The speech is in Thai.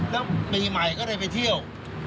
แล้วปีใหม่ก็ได้ไปเที่ยว